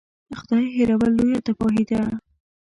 خدای هېرول لویه تباهي ده.